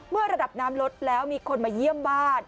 ระดับน้ำลดแล้วมีคนมาเยี่ยมบ้าน